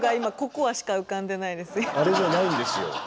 あれじゃないんですよ。